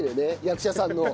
役者さんの。